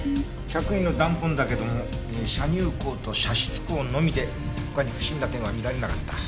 着衣の弾痕だけども射入口と射出口のみで他に不審な点は見られなかった。